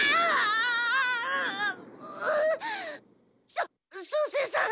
しょ照星さん！